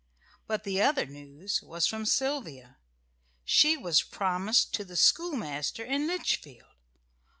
But the other news was from Sylvia. She was promised to the schoolmaster in Litchfield.